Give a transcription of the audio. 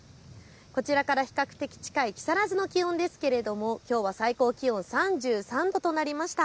こちらから比較的近い木更津の気温ですが、きょうは最高気温３３度となりました。